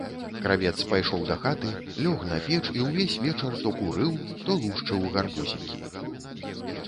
Кравец пайшоў дахаты, лёг на печ і ўвесь вечар то курыў, то лушчыў гарбузікі.